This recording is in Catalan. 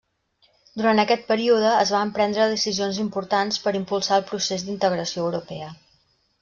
Durant aquest període, es van prendre decisions importants per impulsar el procés d'integració europea.